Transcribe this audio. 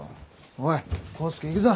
おい康介行くぞ。